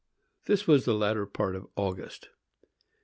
This was the latter part of August.